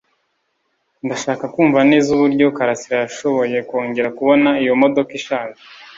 Ndashaka kumva neza uburyo Karasira yashoboye kongera kubona iyo modoka ishaje.